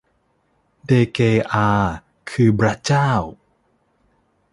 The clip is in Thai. เดเกอาคือบร๊ะเจ้า